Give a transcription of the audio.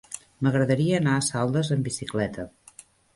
M'agradaria anar a Saldes amb bicicleta.